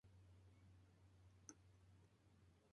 Su proyecto "Retratos de arquitectos.